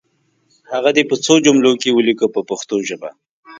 هغه دې په څو جملو کې ولیکي په پښتو ژبه.